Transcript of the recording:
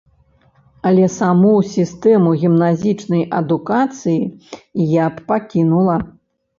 Але саму сістэму гімназічнай адукацыі я б пакінула.